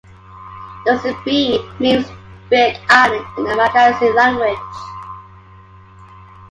"Nosy Be" means "big island" in the Malagasy language.